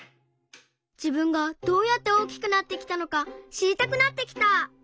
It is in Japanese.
自分がどうやって大きくなってきたのかしりたくなってきた！